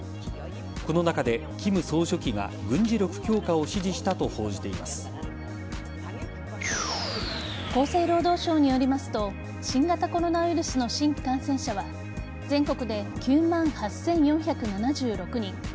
この中で金総書記が軍事力強化を指示したと厚生労働省によりますと新型コロナウイルスの新規感染者は全国で９万８４７６人